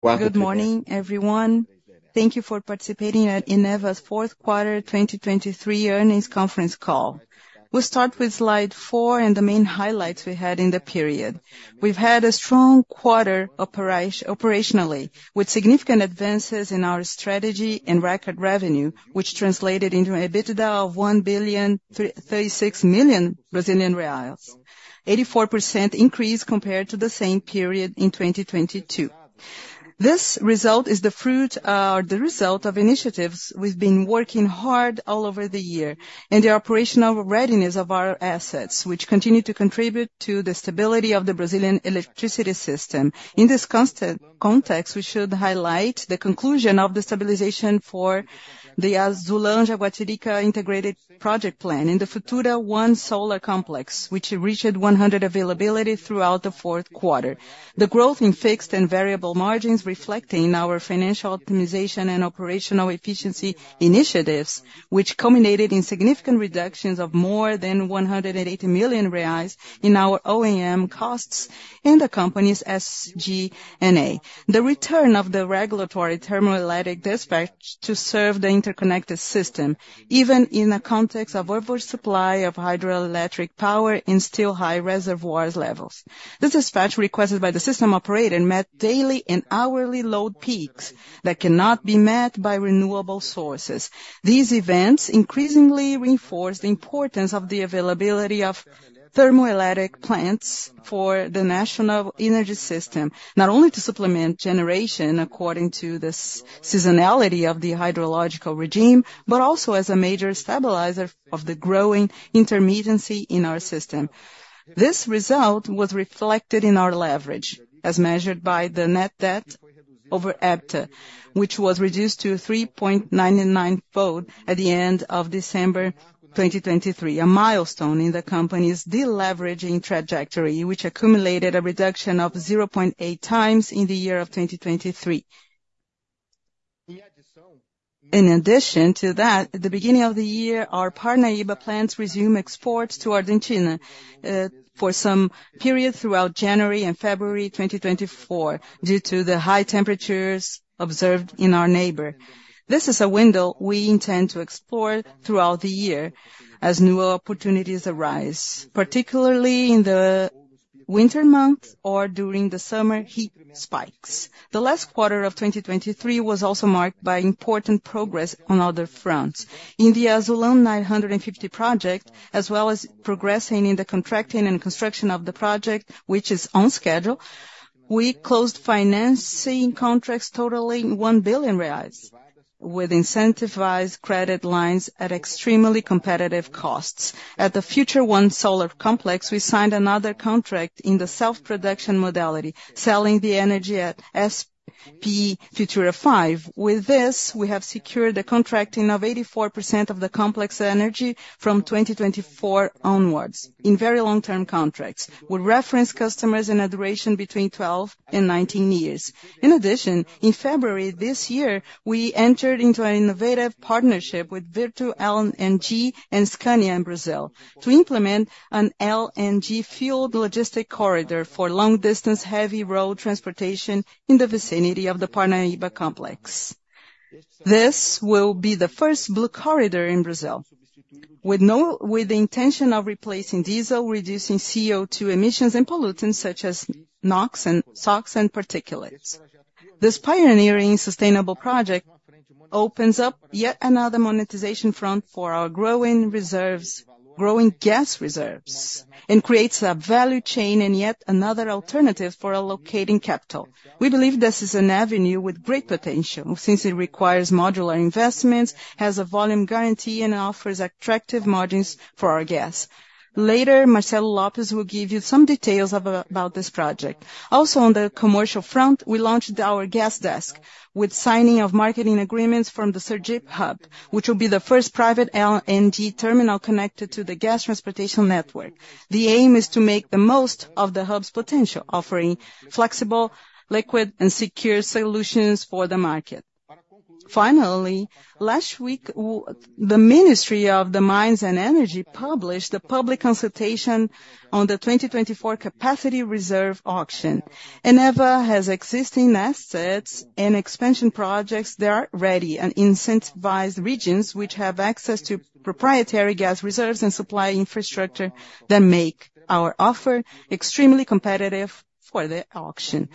Well, good morning, everyone. Thank you for participating at Eneva's fourth quarter 2023 earnings conference call. We'll start with slide 4 and the main highlights we had in the period. We've had a strong quarter operationally, with significant advances in our strategy and record revenue, which translated into an EBITDA of 1.036 billion, 84% increase compared to the same period in 2022. This result is the fruit, the result of initiatives we've been working hard all over the year, and the operational readiness of our assets, which continue to contribute to the stability of the Brazilian electricity system. In this context, we should highlight the conclusion of the stabilization for the Azulão -Jaguatirica integrated project plant in the Futura One Solar Complex, which reached 100% availability throughout the fourth quarter. The growth in fixed and variable margins reflecting our financial optimization and operational efficiency initiatives, which culminated in significant reductions of more than 180 million reais in our O&M costs in the company's SG&A. The return of the regulatory thermoelectric dispatch to serve the interconnected system, even in a context of overflow supply of hydroelectric power in still high reservoirs levels. This dispatch, requested by the system operator, met daily and hourly load peaks that cannot be met by renewable sources. These events increasingly reinforce the importance of the availability of thermoelectric plants for the national energy system, not only to supplement generation according to the seasonality of the hydrological regime, but also as a major stabilizer of the growing intermittency in our system. This result was reflected in our leverage, as measured by the net debt over EBITDA, which was reduced to 3.99x at the end of December 2023, a milestone in the company's deleveraging trajectory, which accumulated a reduction of 0.8 times in the year of 2023. In addition to that, at the beginning of the year, our Parnaíba plants resumed exports to Argentina, for some period throughout January and February 2024, due to the high temperatures observed in our neighbor. This is a window we intend to explore throughout the year as new opportunities arise, particularly in the winter months or during the summer heat spikes. The last quarter of 2023 was also marked by important progress on other fronts. In the Azulão 950 project, as well as progressing in the contracting and construction of the project, which is on schedule, we closed financing contracts totaling 1 billion reais, with incentivized credit lines at extremely competitive costs. At the Futura I Solar Complex, we signed another contract in the self-production modality, selling the energy at SP Futura 5. With this, we have secured the contracting of 84% of the complex energy from 2024 onwards in very long-term contracts, with reference customers in a duration between 12 and 19 years. In addition, in February this year, we entered into an innovative partnership with Virtu GNL and Scania in Brazil to implement an LNG-fueled logistic corridor for long-distance, heavy road transportation in the vicinity of the Parnaíba Complex. This will be the first blue Corridor in Brazil, with the intention of replacing diesel, reducing CO2 emissions and pollutants such as NOx and SOx and particulates. This pioneering sustainable project opens up yet another monetization front for our growing reserves, growing gas reserves, and creates a value chain and yet another alternative for allocating capital. We believe this is an avenue with great potential, since it requires modular investments, has a volume guarantee, and offers attractive margins for our gas. Later, Marcelo Lopes will give you some details about this project. Also, on the commercial front, we launched our gas desk with signing of marketing agreements from the Sergipe Hub, which will be the first private LNG terminal connected to the gas transportation network. The aim is to make the most of the hub's potential, offering flexible, liquid, and secure solutions for the market. Finally, last week, the Ministry of Mines and Energy published a public consultation on the 2024 capacity reserve auction. Eneva has existing assets and expansion projects that are ready in incentivized regions which have access to proprietary gas reserves and supply infrastructure that make our offer extremely competitive for the auction.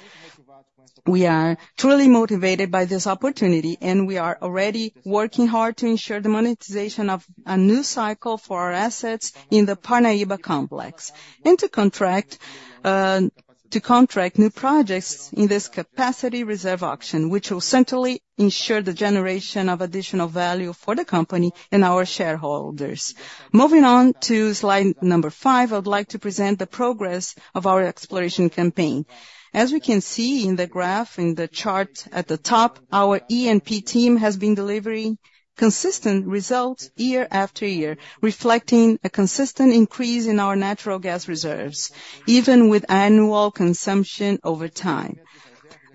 We are truly motivated by this opportunity, and we are already working hard to ensure the monetization of a new cycle for our assets in the Parnaíba complex, and to contract to contract new projects in this capacity reserve auction, which will centrally ensure the generation of additional value for the company and our shareholders. Moving on to slide number 5, I'd like to present the progress of our exploration campaign. As we can see in the graph, in the chart at the top, our E&P team has been delivering consistent results year after year, reflecting a consistent increase in our natural gas reserves, even with annual consumption over time.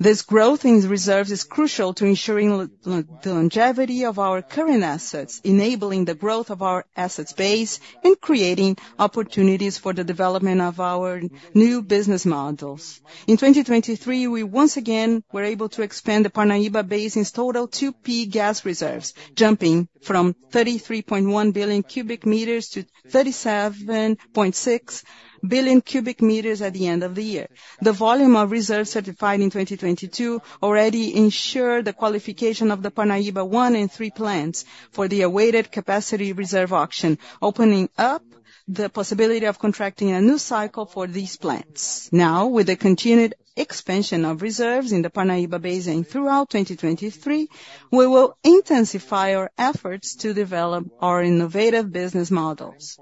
This growth in reserves is crucial to ensuring the longevity of our current assets, enabling the growth of our assets base, and creating opportunities for the development of our new business models. In 2023, we once again were able to expand the Parnaíba Basin's total 2P gas reserves, jumping from 33.1 billion cubic meters to 37.6 billion cubic meters at the end of the year. The volume of reserves certified in 2022 already ensured the qualification of the Parnaíba I and III plants for the awaited Capacity Reserve Auction, opening up the possibility of contracting a new cycle for these plants. Now, with the continued expansion of reserves in the Parnaíba Basin throughout 2023, we will intensify our efforts to develop our innovative business models.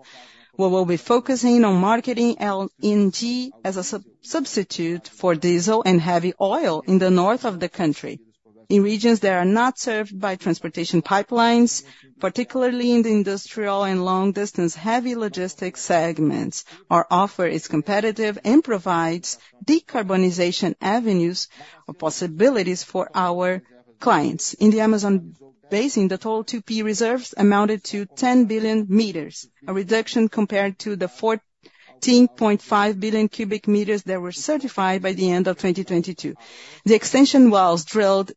We will be focusing on marketing LNG as a substitute for diesel and heavy oil in the north of the country, in regions that are not served by transportation pipelines, particularly in the industrial and long-distance heavy logistics segments. Our offer is competitive and provides decarbonization avenues or possibilities for our clients. In the Amazon Basin, the total 2P reserves amounted to 10 billion cubic meters, a reduction compared to the 14.5 billion cubic meters that were certified by the end of 2022. The extension wells drilled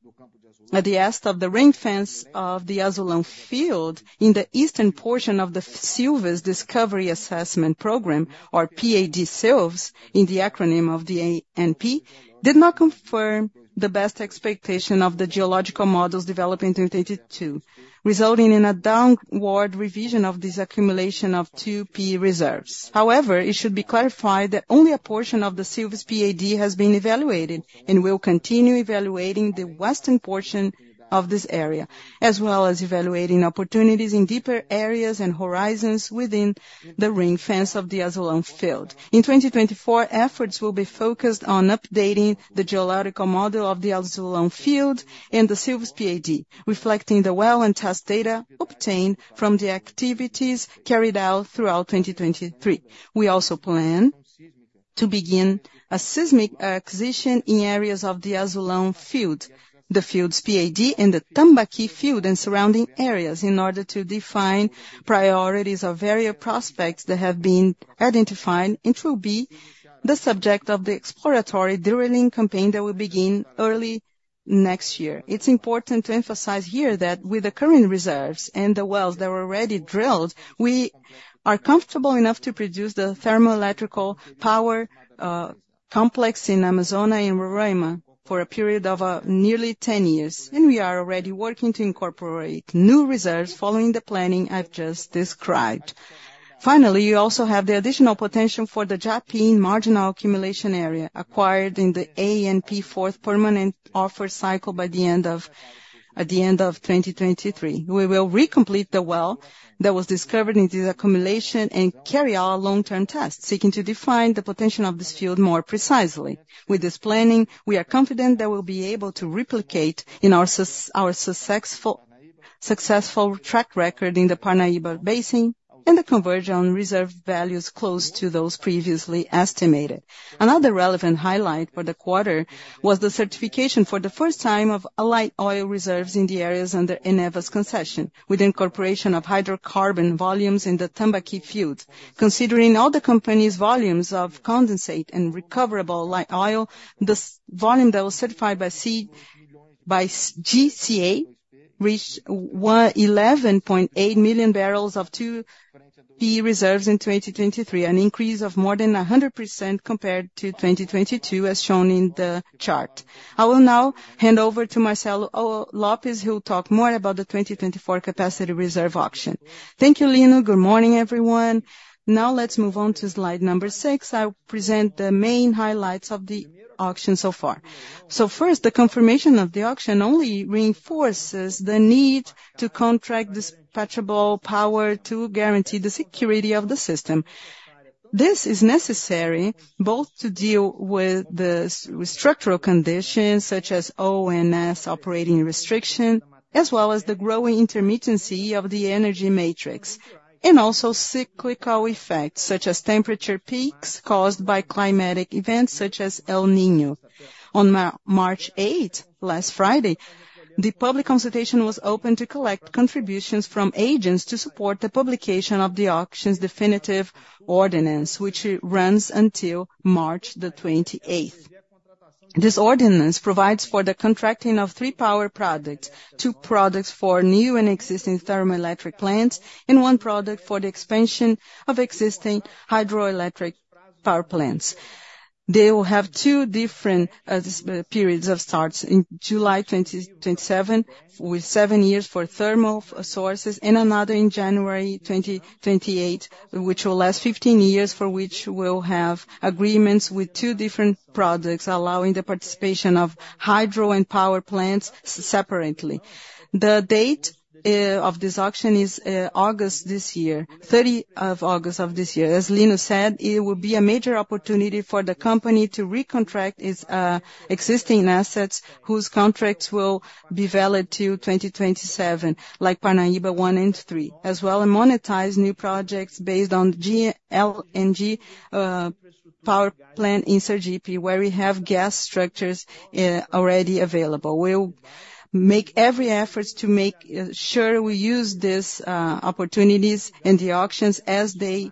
at the east of the ring fence of the Azulão Field in the eastern portion of the Silves Discovery Assessment Program, or PAD Silves, in the acronym of the ANP, did not confirm the best expectation of the geological models developed in 2022, resulting in a downward revision of this accumulation of 2P reserves. However, it should be clarified that only a portion of the Silves PAD has been evaluated, and we'll continue evaluating the western portion of this area, as well as evaluating opportunities in deeper areas and horizons within the ring fence of the Azulão Field. In 2024, efforts will be focused on updating the geological model of the Azulão Field and the Silves PAD, reflecting the well and test data obtained from the activities carried out throughout 2023. We also plan to begin a seismic acquisition in areas of the Azulão Field, the field's PAD, and the Tambaqui Field and surrounding areas in order to define priorities of various prospects that have been identified, and it will be the subject of the exploratory drilling campaign that will begin early next year. It's important to emphasize here that with the current reserves and the wells that were already drilled, we are comfortable enough to produce the thermoelectric power complex in Amazonas in Roraima for a period of nearly 10 years, and we are already working to incorporate new reserves following the planning I've just described. Finally, you also have the additional potential for the Japiim marginal accumulation area, acquired in the ANP fourth permanent offer cycle by the end of 2023. We will recomplete the well that was discovered in this accumulation and carry out long-term tests, seeking to define the potential of this field more precisely. With this planning, we are confident that we'll be able to replicate our successful track record in the Parnaíba Basin and the conversion of reserve values close to those previously estimated. Another relevant highlight for the quarter was the certification for the first time of light oil reserves in the areas under Eneva's concession, with the incorporation of hydrocarbon volumes in the Tambaqui field. Considering all the company's volumes of condensate and recoverable light oil, this volume that was certified by GCA reached 11.8 million barrels of 2P reserves in 2023, an increase of more than 100% compared to 2022, as shown in the chart. I will now hand over to Marcelo Lopes, who will talk more about the 2024 capacity reserve auction. Thank you, Lino. Good morning, everyone. Now let's move on to slide number 6. I'll present the main highlights of the auction so far. So first, the confirmation of the auction only reinforces the need to contract dispatchable power to guarantee the security of the system. This is necessary both to deal with the structural conditions such as ONS operating restriction, as well as the growing intermittency of the energy matrix, and also cyclical effects, such as temperature peaks caused by climatic events such as El Niño. On March 8, last Friday, the public consultation was open to collect contributions from agents to support the publication of the auction's definitive ordinance, which runs until March 28. This ordinance provides for the contracting of three power products: two products for new and existing thermoelectric plants, and one product for the expansion of existing hydroelectric power plants. They will have two different periods of starts in July 2027, with seven years for thermal sources, and another in January 2028, which will last 15 years, for which we'll have agreements with two different products, allowing the participation of hydro and power plants separately. The date of this auction is August 30 this year. As Lino said, it will be a major opportunity for the company to recontract its existing assets, whose contracts will be valid till 2027, like Parnaíba I and III, as well and monetize new projects based on LNG power plant in Sergipe, where we have gas structures already available. We'll make every effort to make sure we use these opportunities in the auctions as they...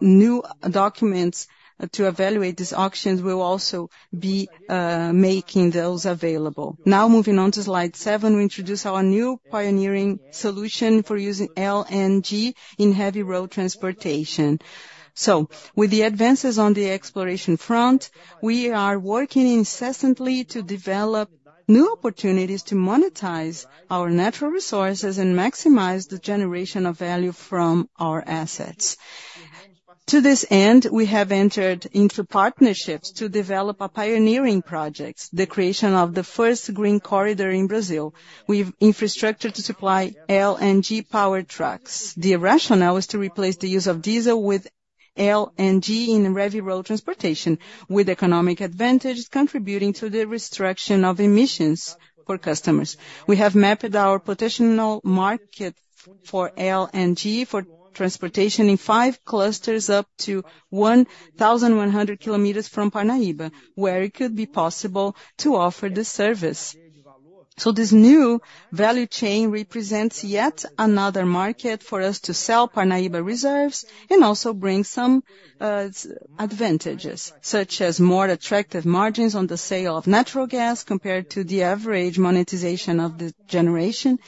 New documents to evaluate these auctions will also be making those available. Now, moving on to Slide 7, we introduce our new pioneering solution for using LNG in heavy road transportation. With the advances on the exploration front, we are working incessantly to develop new opportunities to monetize our natural resources and maximize the generation of value from our assets. To this end, we have entered into partnerships to develop a pioneering project, the creation of the first Blue Corridor in Brazil, with infrastructure to supply LNG-powered trucks. The rationale is to replace the use of diesel with LNG in heavy road transportation, with economic advantages contributing to the reduction of emissions for customers. We have mapped our potential market for LNG for transportation in five clusters, up to 1,100 km from Parnaíba, where it could be possible to offer this service. So this new value chain represents yet another market for us to sell Parnaíba reserves, and also bring some advantages, such as more attractive margins on the sale of natural gas compared to the average monetization of the generation.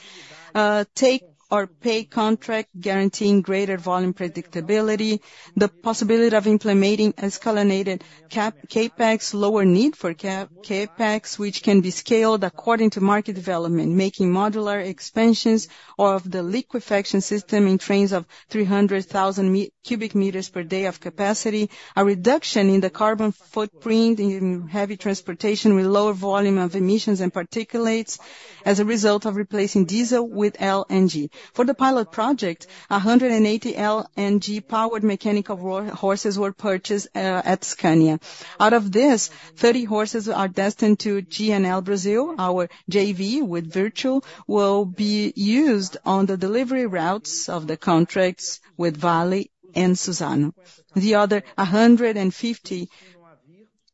Take or Pay contract, guaranteeing greater volume predictability, the possibility of implementing escalonated CapEx, lower need for CapEx, which can be scaled according to market development, making modular expansions of the liquefaction system in trains of 300,000 cubic meters per day of capacity, a reduction in the carbon footprint in heavy transportation, with lower volume of emissions and particulates as a result of replacing diesel with LNG. For the pilot project, 180 LNG-powered mechanical road horses were purchased at Scania. Out of this, 30 horses are destined to GNL Brasil, our JV with Virtu, will be used on the delivery routes of the contracts with Vale and Suzano. The other 150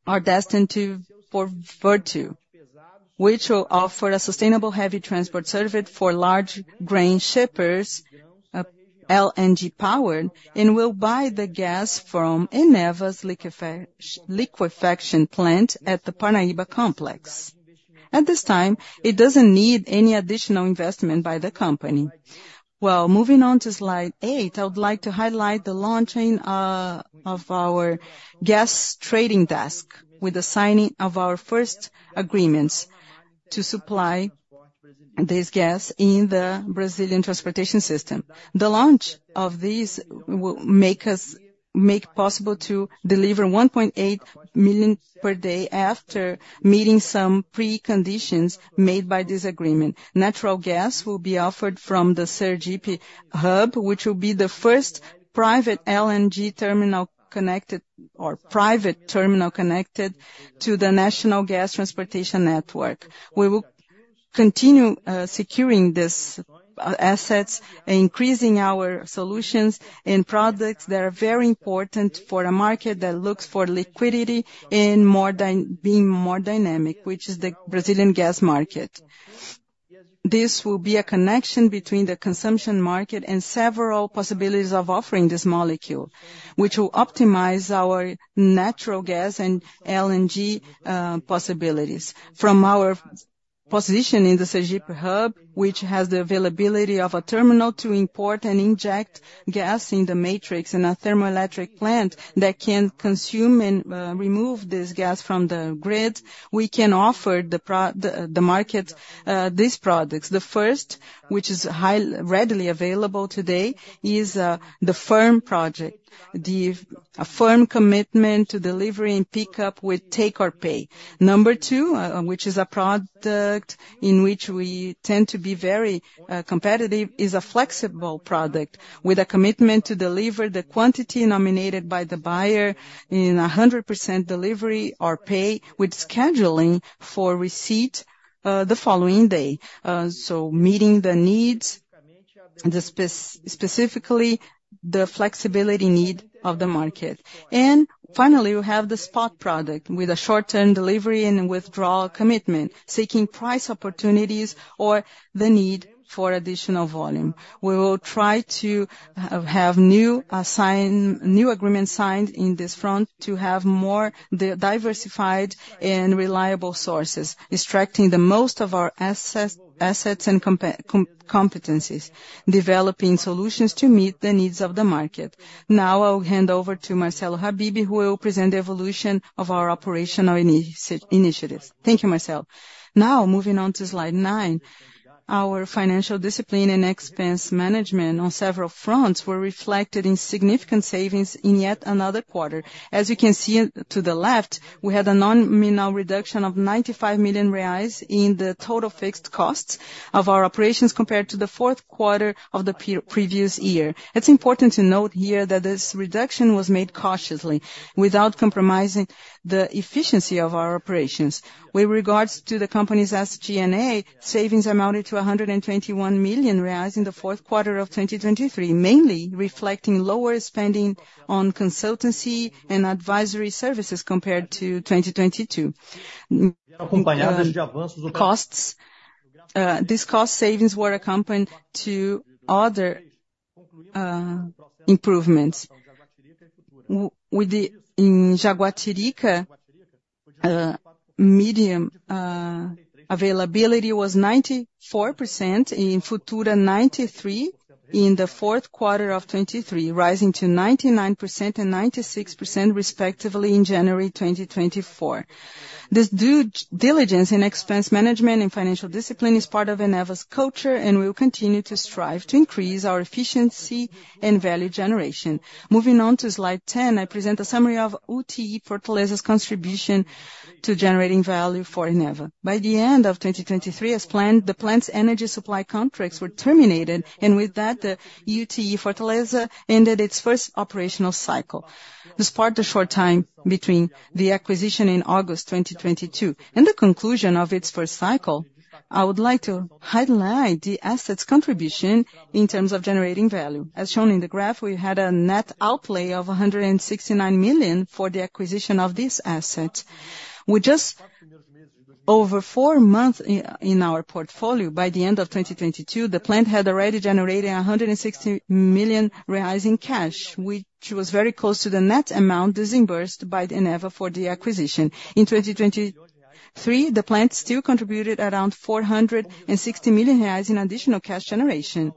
are destined for Virtu, which will offer a sustainable heavy transport service for large grain shippers, LNG-powered, and will buy the gas from Eneva's liquefaction plant at the Parnaíba Complex. At this time, it doesn't need any additional investment by the company. Well, moving on to slide 8, I would like to highlight the launching of our gas trading desk, with the signing of our first agreements to supply this gas in the Brazilian transportation system. The launch of this will make possible to deliver 1.8 million per day, after meeting some preconditions made by this agreement. Natural gas will be offered from the Sergipe Hub, which will be the first private LNG terminal connected, or private terminal connected to the national gas transportation network. We will continue securing these assets and increasing our solutions and products that are very important for a market that looks for liquidity and more dynamic, which is the Brazilian gas market. This will be a connection between the consumption market and several possibilities of offering this molecule, which will optimize our natural gas and LNG possibilities. From our position in the Sergipe Hub, which has the availability of a terminal to import and inject gas in the matrix, and a thermoelectric plant that can consume and remove this gas from the grid, we can offer the market these products. The first, which is readily available today, is the firm project, a firm commitment to delivery and pickup with take or pay. Number two, which is a product in which we tend to be very competitive, is a flexible product, with a commitment to deliver the quantity nominated by the buyer in 100% delivery or pay, with scheduling for receipt the following day. So meeting the needs, specifically, the flexibility need of the market. And finally, we have the spot product, with a short-term delivery and withdrawal commitment, seeking price opportunities or the need for additional volume. We will try to have new agreements signed in this front to have more diversified and reliable sources, extracting the most of our assets and competencies, developing solutions to meet the needs of the market. Now I will hand over to Marcelo Habibe, who will present the evolution of our operational initiatives. Thank you, Marcelo. Now, moving on to Slide 9, our financial discipline and expense management on several fronts were reflected in significant savings in yet another quarter. As you can see to the left, we had a nominal reduction of 95 million reais in the total fixed costs of our operations, compared to the fourth quarter of the previous year. It's important to note here that this reduction was made cautiously, without compromising the efficiency of our operations. With regards to the company's SG&A, savings amounted to 121 million reais in the fourth quarter of 2023, mainly reflecting lower spending on consultancy and advisory services compared to 2022. Costs, these cost savings were accompanied to other improvements. With the in Jaguatirica, medium, availability was 94%, in Futura, 93.... in the fourth quarter of 2023, rising to 99% and 96% respectively in January 2024. This due diligence and expense management and financial discipline is part of Eneva's culture, and we will continue to strive to increase our efficiency and value generation. Moving on to slide 10, I present a summary of UTE Fortaleza's contribution to generating value for Eneva. By the end of 2023, as planned, the plant's energy supply contracts were terminated, and with that, the UTE Fortaleza ended its first operational cycle. Despite the short time between the acquisition in August 2022 and the conclusion of its first cycle, I would like to highlight the asset's contribution in terms of generating value. As shown in the graph, we had a net outlay of 169 million for the acquisition of this asset. With just over 4 months in our portfolio, by the end of 2022, the plant had already generated 160 million reais in cash, which was very close to the net amount disbursed by Eneva for the acquisition. In 2023, the plant still contributed around 460 million reais in additional cash generation.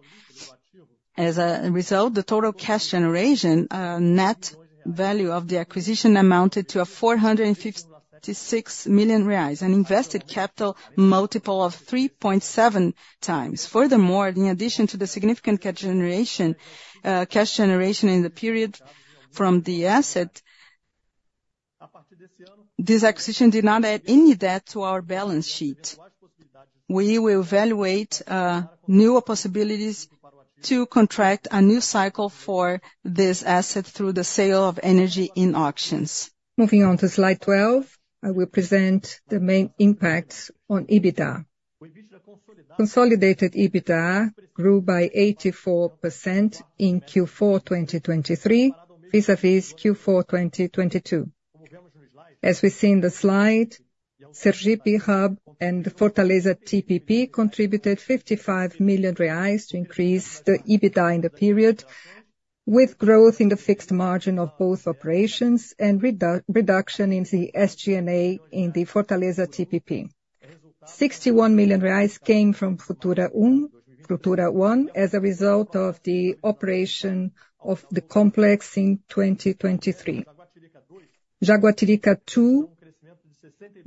As a result, the total cash generation net value of the acquisition amounted to 456 million reais, an invested capital multiple of 3.7x. Furthermore, in addition to the significant cash generation, cash generation in the period from the asset, this acquisition did not add any debt to our balance sheet. We will evaluate newer possibilities to contract a new cycle for this asset through the sale of energy in auctions. Moving on to slide 12, I will present the main impacts on EBITDA. Consolidated EBITDA grew by 84% in Q4 2023, vis-à-vis Q4 2022. As we see in the slide, Sergipe Hub and Fortaleza TPP contributed 55 million reais to increase the EBITDA in the period, with growth in the fixed margin of both operations and reduction in the SG&A in the Fortaleza TPP. 61 million reais came from FuturaU m, Futura One, as a result of the operation of the complex in 2023. Jaguatirica II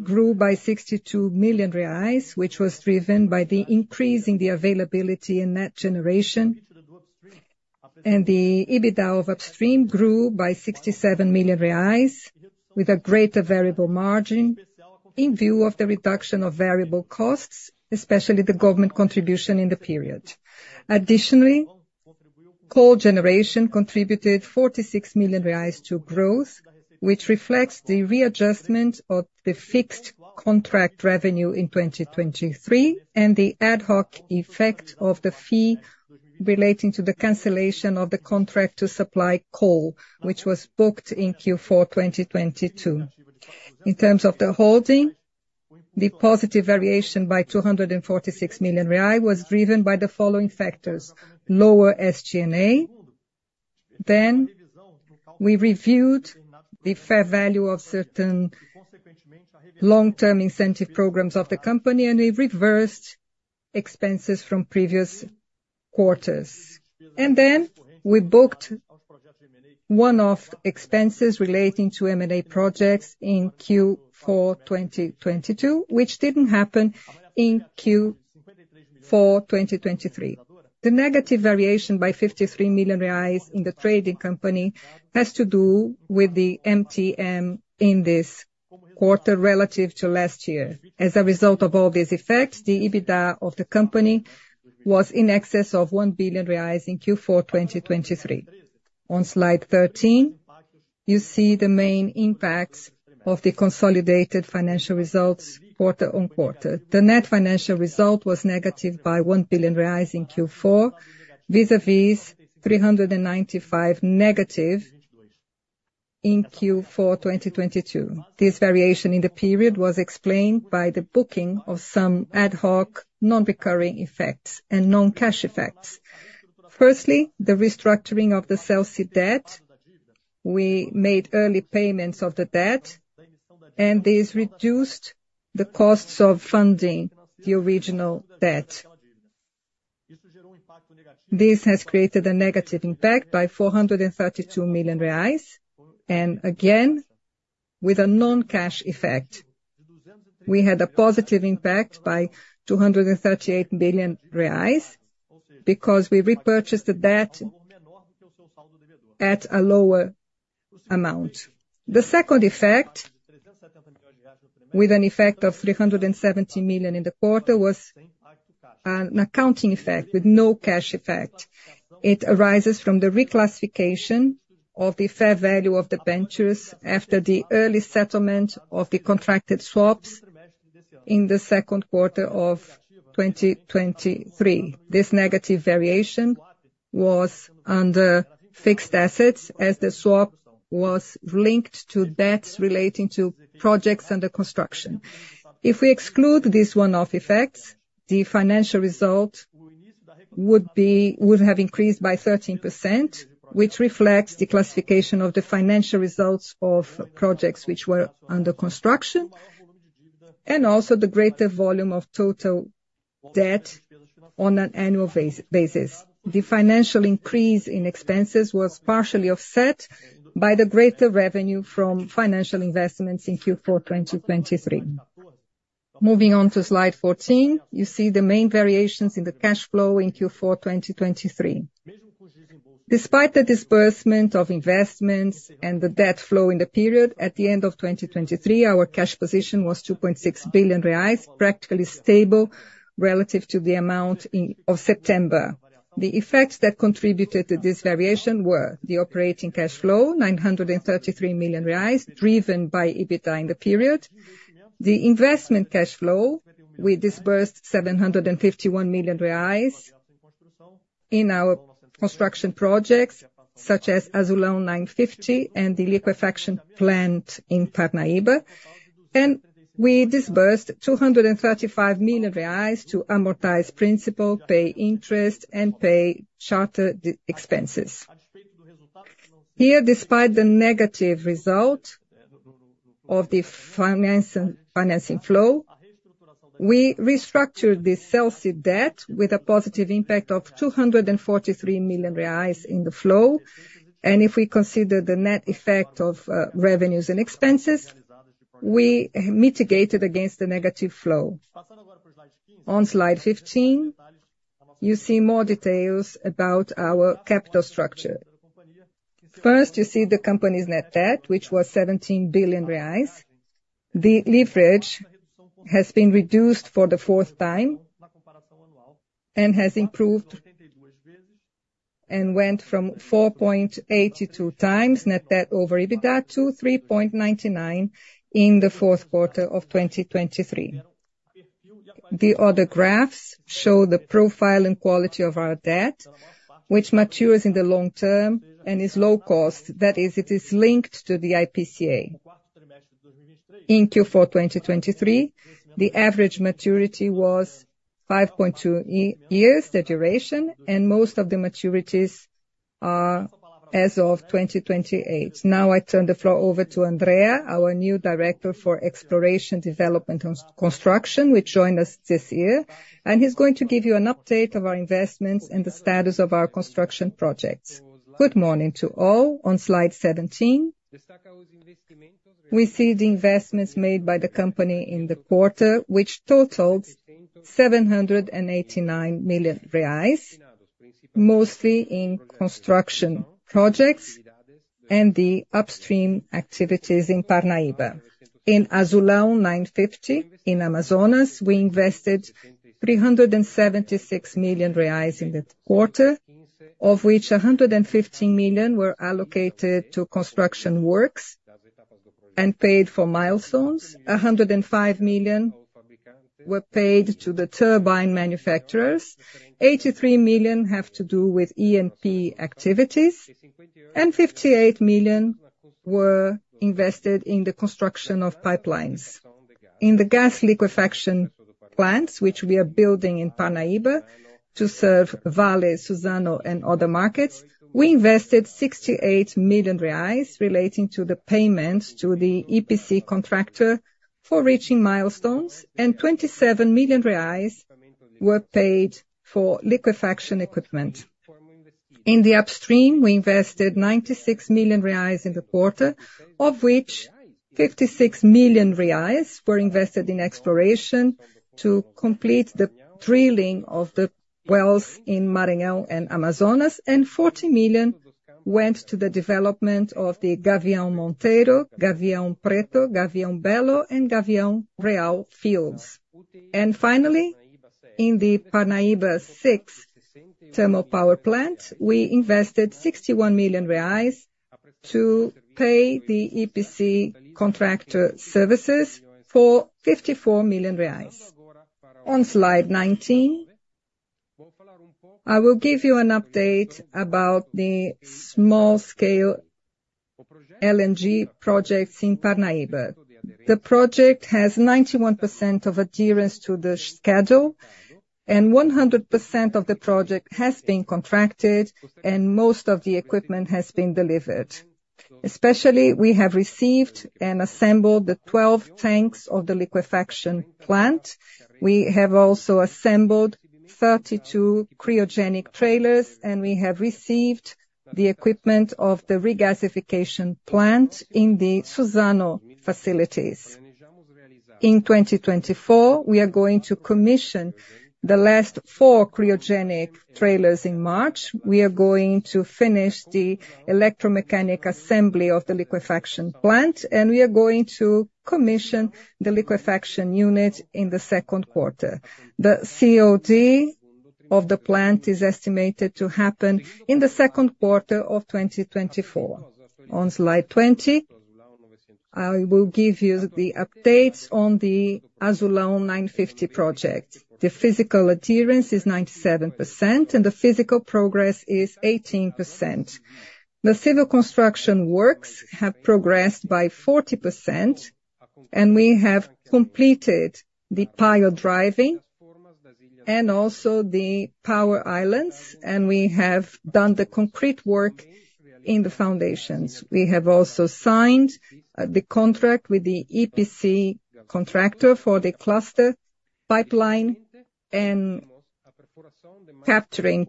grew by 62 million reais, which was driven by the increase in the availability and net generation, and the EBITDA of upstream grew by 67 million reais, with a greater variable margin, in view of the reduction of variable costs, especially the government contribution in the period. Additionally, coal generation contributed 46 million reais to growth, which reflects the readjustment of the fixed contract revenue in 2023, and the ad hoc effect of the fee relating to the cancellation of the contract to supply coal, which was booked in Q4 2022. In terms of the holding, the positive variation by 246 million was driven by the following factors: Lower SG&A, then we reviewed the fair value of certain long-term incentive programs of the company, and we've reversed expenses from previous quarters. And then we booked one-off expenses relating to M&A projects in Q4 2022, which didn't happen in Q4 2023. The negative variation by 53 million reais in the trading company has to do with the MTM in this quarter relative to last year. As a result of all these effects, the EBITDA of the company was in excess of 1 billion reais in Q4 2023. On Slide 13, you see the main impacts of the consolidated financial results quarter on quarter. The net financial result was negative by 1 billion reais in Q4, vis-à-vis negative BRL 395 million in Q4 2022. This variation in the period was explained by the booking of some ad hoc, non-recurring effects and non-cash effects. Firstly, the restructuring of the CELSE debt. We made early payments of the debt, and this reduced the costs of funding the original debt. This has created a negative impact by 432 million reais, and again, with a non-cash effect. We had a positive impact by 238 million reais, because we repurchased the debt at a lower amount. The second effect, with an effect of 370 million in the quarter, was an accounting effect with no cash effect. It arises from the reclassification of the fair value of the ventures after the early settlement of the contracted swaps in the second quarter of 2023. This negative variation was under fixed assets, as the swap was linked to debts relating to projects under construction. If we exclude these one-off effects, the financial result would be- would have increased by 13%, which reflects the classification of the financial results of projects which were under construction. And also the greater volume of total debt on an annual basis. The financial increase in expenses was partially offset by the greater revenue from financial investments in Q4 2023. Moving on to slide 14, you see the main variations in the cash flow in Q4 2023. Despite the disbursement of investments and the debt flow in the period, at the end of 2023, our cash position was 2.6 billion reais, practically stable relative to the amount in September. The effects that contributed to this variation were: the operating cash flow, 933 million reais, driven by EBITDA in the period. The investment cash flow, we disbursed 751 million reais in our construction projects, such as Azulão 950 and the liquefaction plant in Parnaíba. And we disbursed 235 million reais to amortize principal, pay interest, and pay charter expenses. Here, despite the negative result of the finance and financing flow, we restructured the CELSE debt with a positive impact of 243 million reais in the flow. And if we consider the net effect of revenues and expenses, we mitigated against the negative flow. On slide 15, you see more details about our capital structure. First, you see the company's net debt, which was 17 billion reais. The leverage has been reduced for the fourth time, and has improved, and went from 4.82x net debt over EBITDA to 3.99x in the fourth quarter of 2023. The other graphs show the profile and quality of our debt, which matures in the long term and is low cost. That is, it is linked to the IPCA. In Q4 2023, the average maturity was 5.2 years, the duration, and most of the maturities are as of 2028. Now, I turn the floor over to Andrea, our new Director for Exploration Development and Construction, which joined us this year, and he's going to give you an update of our investments and the status of our construction projects. Good morning to all. On slide 17, we see the investments made by the company in the quarter, which totaled 789 million reais, mostly in construction projects and the upstream activities in Parnaíba. In Azulão 950, in Amazonas, we invested 376 million reais in the quarter, of which 115 million were allocated to construction works and paid for milestones. 105 million were paid to the turbine manufacturers, 83 million have to do with E&P activities, and 58 million were invested in the construction of pipelines. In the gas liquefaction plants, which we are building in Parnaíba to serve Vale, Suzano, and other markets, we invested 68 million reais, relating to the payments to the EPC contractor for reaching milestones, and 27 million reais were paid for liquefaction equipment. In the upstream, we invested 96 million reais in the quarter, of which 56 million reais were invested in exploration to complete the drilling of the wells in Maranhão and Amazonas, and 40 million went to the development of the Gavião Monteiro, Gavião Preto, Gavião Belo, and Gavião Real fields. Finally, in the Parnaíba VI Thermal Power Plant, we invested 61 million reais to pay the EPC contractor services for 54 million reais. On Slide 19, I will give you an update about the small-scale LNG projects in Parnaíba. The project has 91% of adherence to the schedule, and 100% of the project has been contracted, and most of the equipment has been delivered. Especially, we have received and assembled the 12 tanks of the liquefaction plant. We have also assembled 32 cryogenic trailers, and we have received the equipment of the regasification plant in the Suzano facilities. In 2024, we are going to commission the last 4 cryogenic trailers in March. We are going to finish the electromechanical assembly of the liquefaction plant, and we are going to commission the liquefaction unit in the second quarter. The COD of the plant is estimated to happen in the second quarter of 2024. On Slide 20, I will give you the updates on the Azulão 950 project. The physical adherence is 97%, and the physical progress is 18%. The civil construction works have progressed by 40%, and we have completed the pile driving, and also the power islands, and we have done the concrete work in the foundations. We have also signed the contract with the EPC contractor for the cluster pipeline and capturing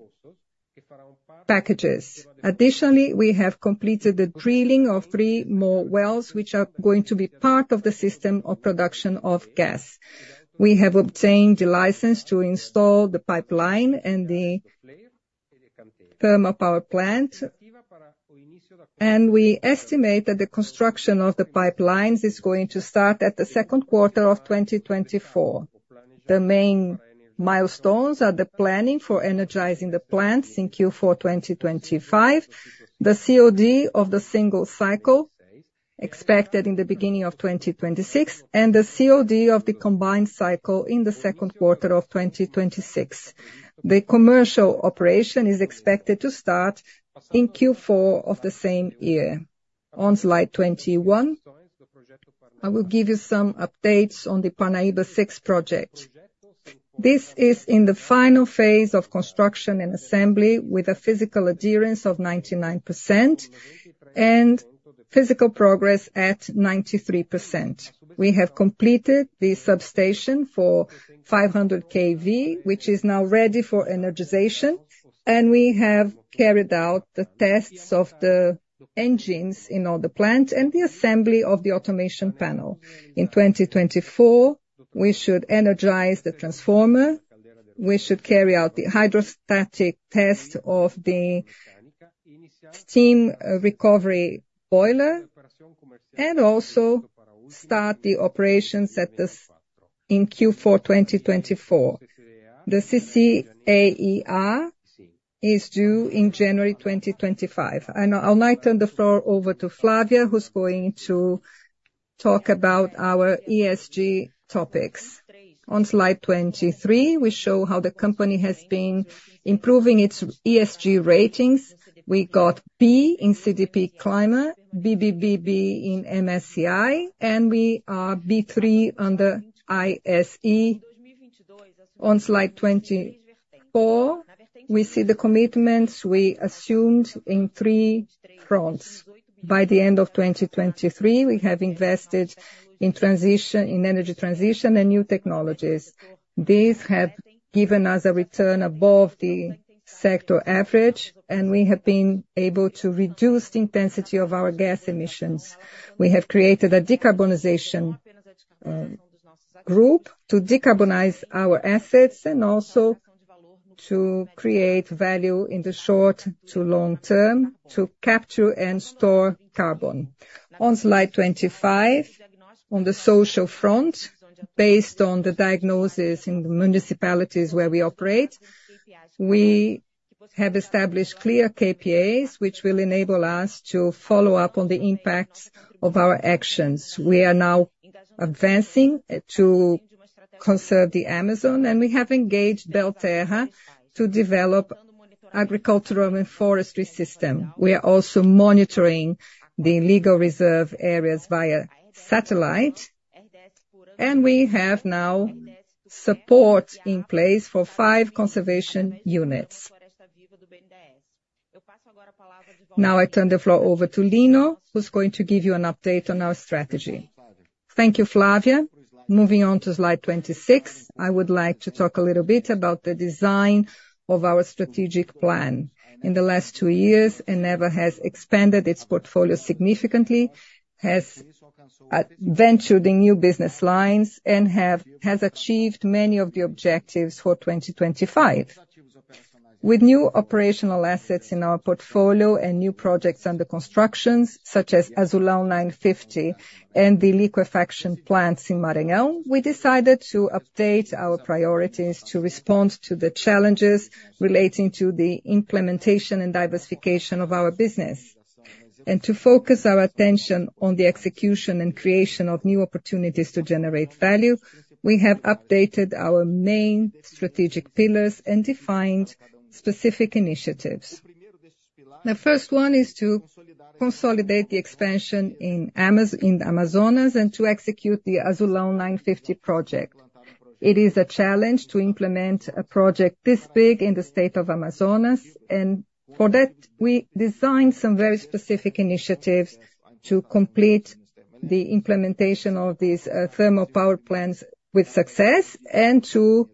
packages. Additionally, we have completed the drilling of three more wells, which are going to be part of the system of production of gas. We have obtained the license to install the pipeline and the thermal power plant, and we estimate that the construction of the pipelines is going to start at the second quarter of 2024. The main milestones are the planning for energizing the plants in Q4 2025, the COD of the single cycle expected in the beginning of 2026, and the COD of the combined cycle in the second quarter of 2026. The commercial operation is expected to start in Q4 of the same year. On slide 21, I will give you some updates on the Parnaíba VI project. This is in the final phase of construction and assembly, with a physical adherence of 99% and physical progress at 93%. We have completed the substation for 500 kV, which is now ready for energization, and we have carried out the tests of the engines in all the plant and the assembly of the automation panel. In 2024, we should energize the transformer, we should carry out the hydrostatic test of the steam recovery boiler, and also start the operations at this in Q4 2024. The CCEAR is due in January 2025. And I'll now turn the floor over to Flavia, who's going to talk about our ESG topics. On slide 23, we show how the company has been improving its ESG ratings. We got B in CDP Climate, BBBB in MSCI, and we are B3 under ISE. On slide 24, we see the commitments we assumed in three fronts. By the end of 2023, we have invested in transition, in energy transition and new technologies. These have given us a return above the sector average, and we have been able to reduce the intensity of our gas emissions. We have created a decarbonization group to decarbonize our assets and also to create value in the short to long term, to capture and store carbon. On slide 25, on the social front, based on the diagnosis in the municipalities where we operate, we have established clear KPIs, which will enable us to follow up on the impacts of our actions. We are now advancing to conserve the Amazon, and we have engaged Belterra to develop agricultural and forestry system. We are also monitoring the legal reserve areas via satellite, and we have now support in place for five conservation units. Now I turn the floor over to Lino, who's going to give you an update on our strategy. Thank you, Flavia. Moving on to slide 26, I would like to talk a little bit about the design of our strategic plan. In the last two years, Eneva has expanded its portfolio significantly, has ventured in new business lines, and has achieved many of the objectives for 2025. With new operational assets in our portfolio and new projects under construction, such as Azulão 950 and the liquefaction plants in Maranhão, we decided to update our priorities to respond to the challenges relating to the implementation and diversification of our business. To focus our attention on the execution and creation of new opportunities to generate value, we have updated our main strategic pillars and defined specific initiatives. The first one is to consolidate the expansion in the Amazonas and to execute the Azulão 950 project. It is a challenge to implement a project this big in the state of Amazonas, and for that, we designed some very specific initiatives to complete the implementation of these thermal power plants with success and to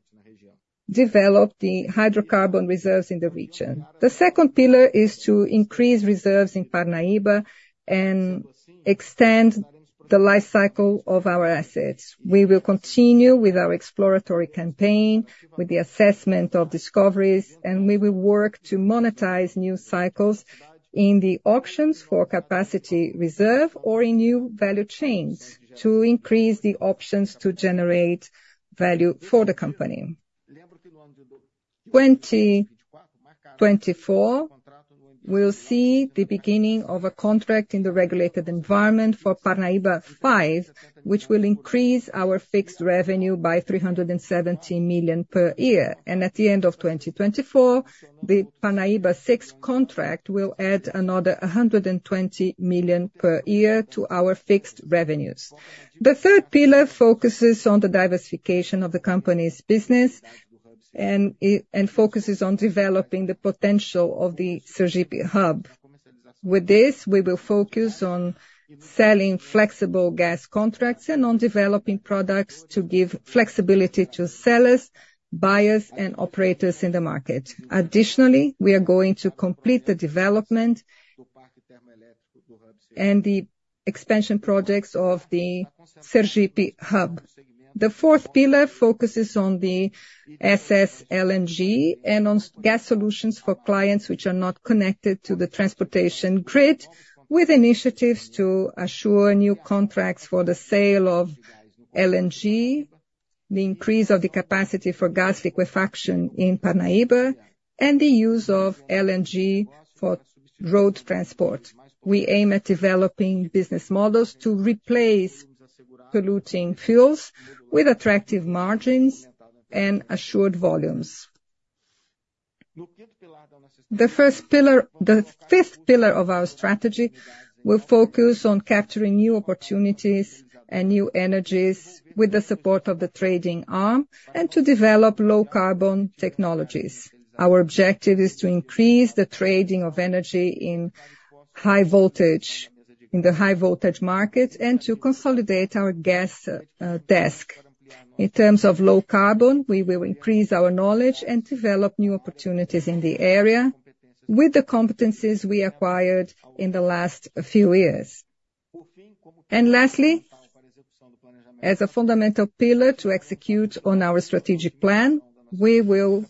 develop the hydrocarbon reserves in the region. The second pillar is to increase reserves in Parnaíba and extend the life cycle of our assets. We will continue with our exploratory campaign, with the assessment of discoveries, and we will work to monetize new cycles in the options for capacity reserve or in new value chains to increase the options to generate value for the company. 2024, we'll see the beginning of a contract in the regulated environment for Parnaíba V, which will increase our fixed revenue by 370 million per year. At the end of 2024, the Parnaíba VI contract will add another 120 million per year to our fixed revenues. The third pillar focuses on the diversification of the company's business and it focuses on developing the potential of the Sergipe Hub. With this, we will focus on selling flexible gas contracts and on developing products to give flexibility to sellers, buyers, and operators in the market. Additionally, we are going to complete the development and the expansion projects of the Sergipe Hub. The fourth pillar focuses on the SS LNG and on gas solutions for clients which are not connected to the transportation grid, with initiatives to assure new contracts for the sale of LNG, the increase of the capacity for gas liquefaction in Parnaíba, and the use of LNG for road transport. We aim at developing business models to replace polluting fuels with attractive margins and assured volumes. The first pillar- the fifth pillar of our strategy will focus on capturing new opportunities and new energies with the support of the trading arm, and to develop low carbon technologies. Our objective is to increase the trading of energy in high voltage, in the high voltage market, and to consolidate our gas desk. In terms of low carbon, we will increase our knowledge and develop new opportunities in the area with the competencies we acquired in the last few years. And lastly, as a fundamental pillar to execute on our strategic plan, we will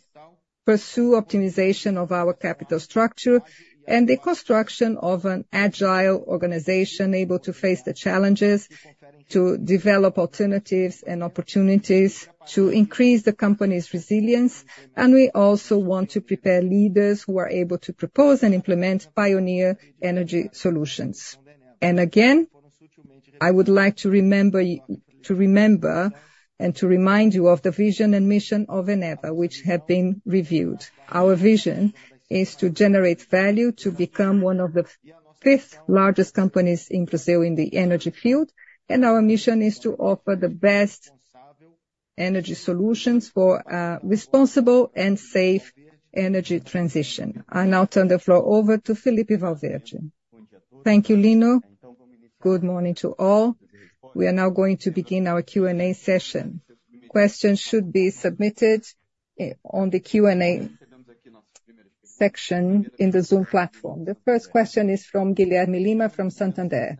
pursue optimization of our capital structure and the construction of an agile organization able to face the challenges, to develop alternatives and opportunities, to increase the company's resilience, and we also want to prepare leaders who are able to propose and implement pioneer energy solutions. And again, I would like to remember to remember and to remind you of the vision and mission of Eneva, which have been reviewed. Our vision is to generate value, to become one of the fifth largest companies in Brazil in the energy field, and our mission is to offer the best energy solutions for a responsible and safe energy transition. I now turn the floor over to Felippe Valverde. Thank you, Lino. Good morning to all. We are now going to begin our Q&A session. Questions should be submitted on the Q&A section in the Zoom platform. The first question is from Guilherme Lima, from Santander.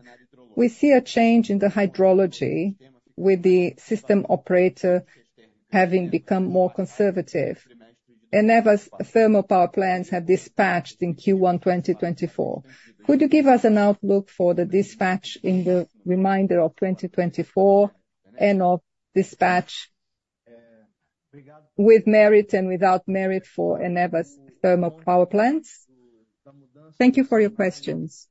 We see a change in the hydrology with the system operator having become more conservative. Eneva's thermal power plants have dispatched in Q1 2024. Could you give us an outlook for the dispatch in the remainder of 2024, and of dispatch with merit and without merit for Eneva's thermal power plants? Thank you for your questions.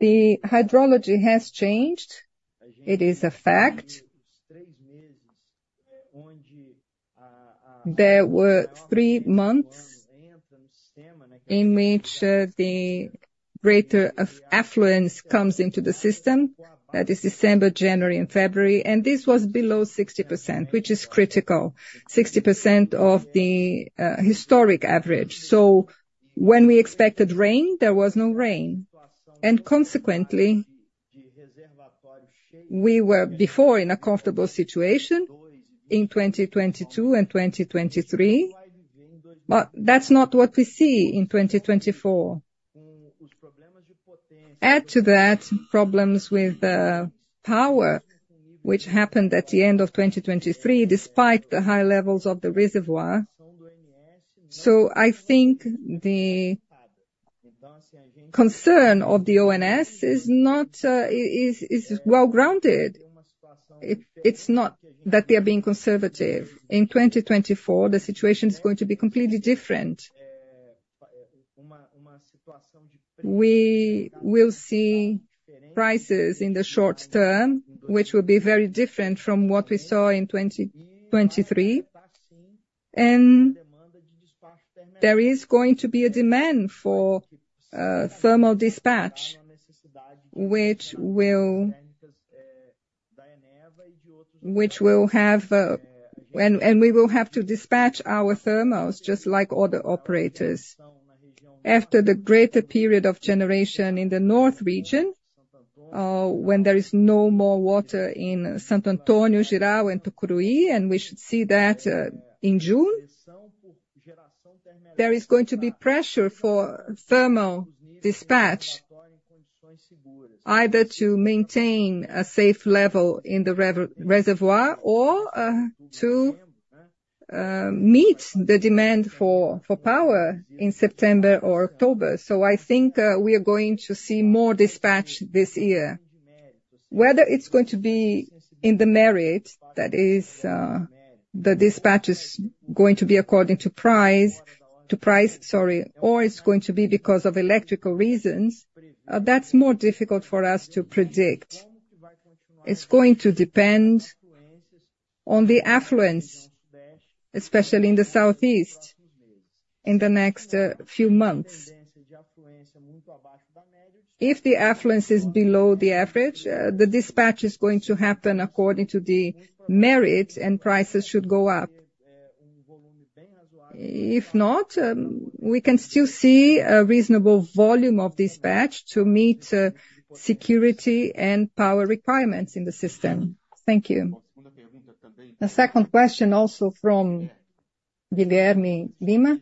The hydrology has changed, it is a fact. There were three months in which the greater of affluence comes into the system, that is December, January, and February, and this was below 60%, which is critical. 60% of the historic average. So when we expected rain, there was no rain, and consequently, we were before in a comfortable situation in 2022 and 2023, but that's not what we see in 2024. Add to that, problems with power, which happened at the end of 2023, despite the high levels of the reservoir. So I think the concern of the ONS is not is well-grounded. It, it's not that they're being conservative. In 2024, the situation is going to be completely different. We will see prices in the short term, which will be very different from what we saw in 2023, and there is going to be a demand for thermal dispatch, which will have... And we will have to dispatch our thermals just like all the operators. After the greater period of generation in the North region, when there is no more water in Santo Antônio, Jirau, and Tucuruí, and we should see that in June, there is going to be pressure for thermal dispatch, either to maintain a safe level in the reservoir or to meet the demand for power in September or October. So I think we are going to see more dispatch this year. Whether it's going to be in the merit, that is, the dispatch is going to be according to price, sorry, or it's going to be because of electrical reasons, that's more difficult for us to predict. It's going to depend on the affluence, especially in the Southeast, in the next few months. ...If the affluence is below the average, the dispatch is going to happen according to the merit, and prices should go up. If not, we can still see a reasonable volume of dispatch to meet, security and power requirements in the system. Thank you. The second question, also from Guilherme Lima: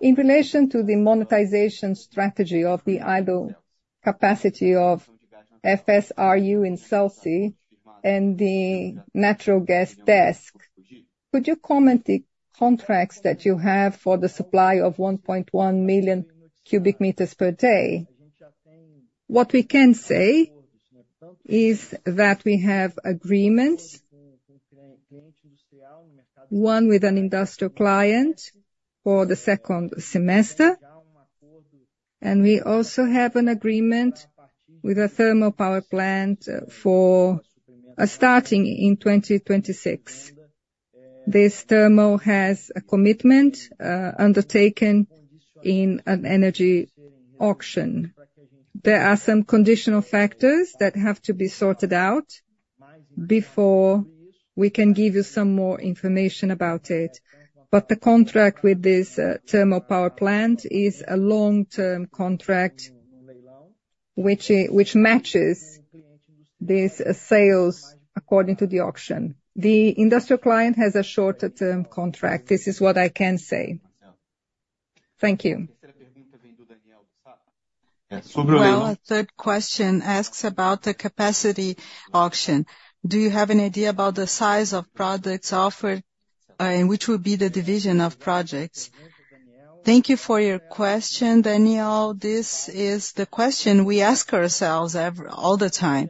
In relation to the monetization strategy of the idle capacity of FSRU in CELSE and the natural gas desk, could you comment the contracts that you have for the supply of 1.1 million cubic meters per day? What we can say is that we have agreements, one with an industrial client for the second semester, and we also have an agreement with a thermal power plant for, starting in 2026. This thermal has a commitment, undertaken in an energy auction. There are some conditional factors that have to be sorted out before we can give you some more information about it. But the contract with this, thermal power plant is a long-term contract, which, which matches these sales according to the auction. The industrial client has a shorter term contract. This is what I can say. Thank you. Well, the third question asks about the capacity auction. Do you have any idea about the size of products offered, and which will be the division of projects? Thank you for your question, Daniel. This is the question we ask ourselves every all the time.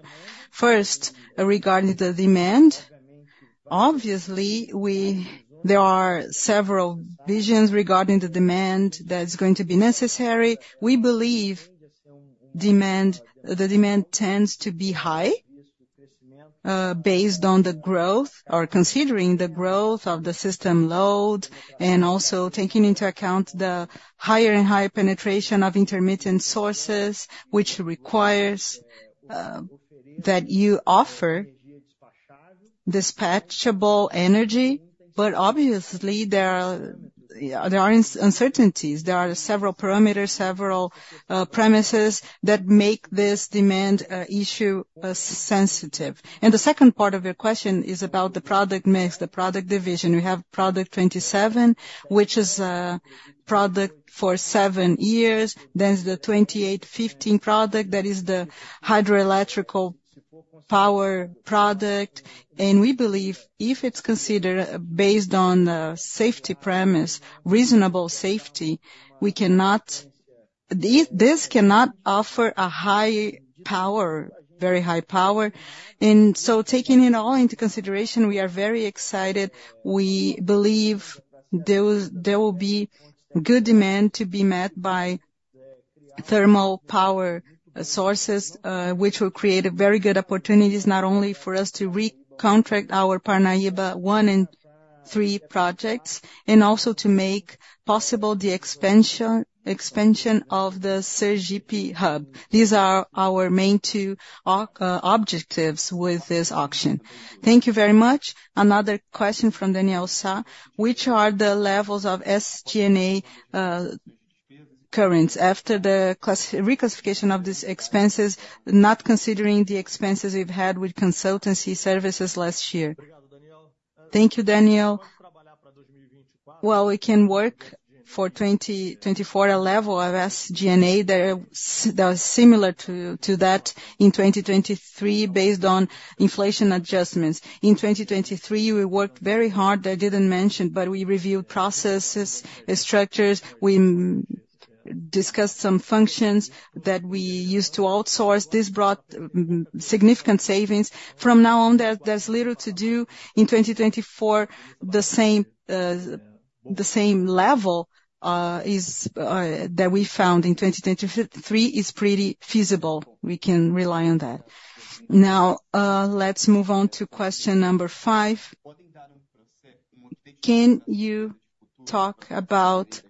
First, regarding the demand, obviously, we there are several visions regarding the demand that is going to be necessary. We believe demand, the demand tends to be high, based on the growth or considering the growth of the system load, and also taking into account the higher and higher penetration of intermittent sources, which requires that you offer dispatchable energy. But obviously, there are uncertainties, there are several parameters, several premises that make this demand issue sensitive. And the second part of your question is about the product mix, the product division. We have product 27, which is product for seven years. There's the 28-15 product, that is the hydroelectric power product. And we believe if it's considered based on the safety premise, reasonable safety, we cannot, this cannot offer a high power, very high power. And so taking it all into consideration, we are very excited. We believe there will be good demand to be met by thermal power sources, which will create a very good opportunities, not only for us to recontract our Parnaíba one and three projects, and also to make possible the expansion of the Sergipe Hub. These are our main two objectives with this auction. Thank you very much. Another question from Daniel Sá: Which are the levels of SG&A current after the reclassification of these expenses, not considering the expenses you've had with consultancy services last year? Thank you, Daniel. Well, we can work for 2024 a level of SG&A that are similar to that in 2023, based on inflation adjustments. In 2023, we worked very hard. I didn't mention, but we reviewed processes and structures. We discussed some functions that we used to outsource. This brought significant savings. From now on, there's little to do in 2024, the same, the same level, is that we found in 2023 is pretty feasible. We can rely on that. Now, let's move on to question number 5. Can you talk about,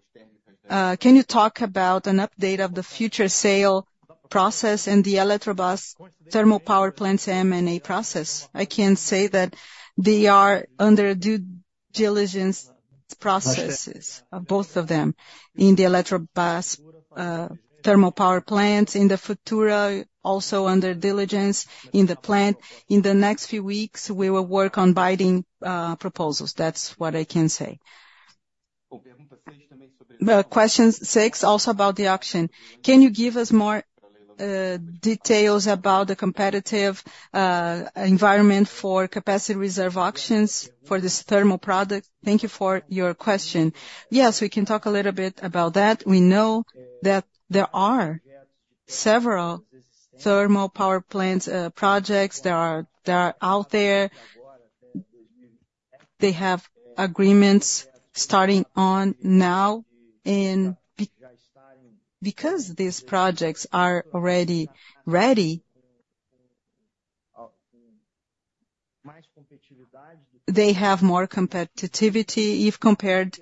can you talk about an update of the Futura sale process and the Eletrobras thermal power plants M&A process? I can say that they are under due diligence processes, both of them, in the Eletrobras, thermal power plants, in the Futura, also under diligence in the plant. In the next few weeks, we will work on bidding, proposals. That's what I can say. Question 6, also about the auction: Can you give us more, details about the competitive, environment for capacity reserve auctions for this thermal product? Thank you for your question. Yes, we can talk a little bit about that. We know that there are several thermal power plants projects that are out there. They have agreements starting on now, and because these projects are already ready. They have more competitiveness if compared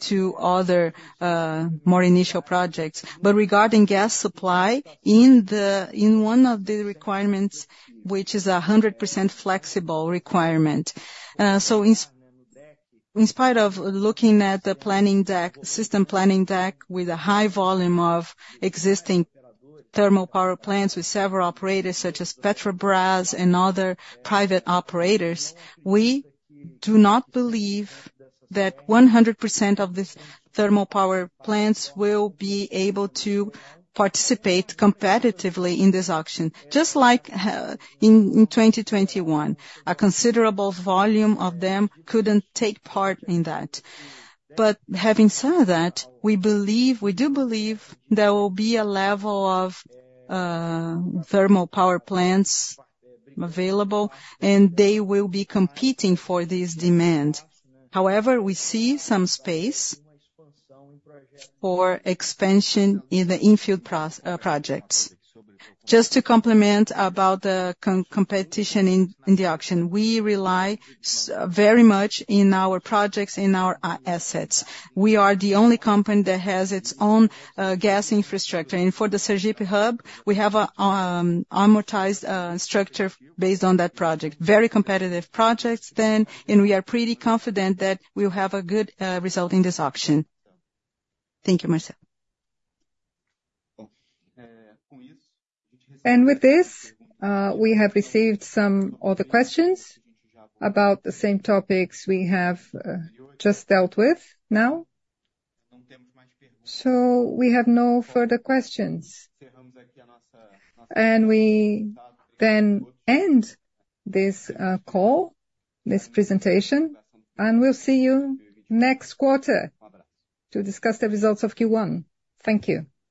to other more initial projects. But regarding gas supply, in one of the requirements, which is a 100% flexible requirement. So in spite of looking at the system planning deck, with a high volume of existing thermal power plants with several operators, such as Petrobras and other private operators, we do not believe that 100% of these thermal power plants will be able to participate competitively in this auction. Just like in 2021, a considerable volume of them couldn't take part in that. But having said that, we believe, we do believe there will be a level of thermal power plants available, and they will be competing for this demand. However, we see some space for expansion in the in-field projects. Just to complement about the competition in the auction, we rely very much in our projects, in our assets. We are the only company that has its own gas infrastructure. And for the Sergipe Hub, we have a amortized structure based on that project. Very competitive projects then, and we are pretty confident that we'll have a good result in this auction. Thank you, Marcel. And with this, we have received some other questions about the same topics we have just dealt with now. So we have no further questions. We then end this call, this presentation, and we'll see you next quarter to discuss the results of Q1. Thank you!